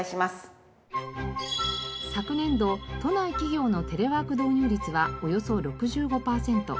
昨年度都内企業のテレワーク導入率はおよそ６５パーセント。